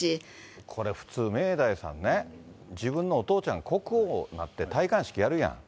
これ普通、明大さんね、自分のお父ちゃん、国王になって戴冠式やるやん。